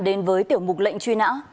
đến với tiểu mục lệnh truy nã